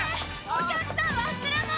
お客さん忘れ物！